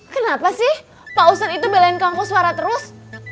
kenapa sih pak ustadz itu belain kampung suara terus